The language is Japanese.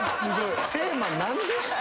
テーマ何でした？